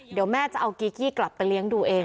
เดี๋ยวแม่จะเอากีกี้กลับไปเลี้ยงดูเอง